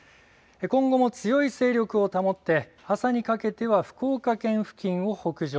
今後も強い勢力を保って朝にかけては福岡県付近を北上。